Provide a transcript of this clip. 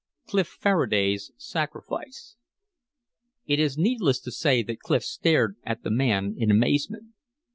CLIF FARADAY'S SACRIFICE. It is needless to say that Clif stared at the man in amazement.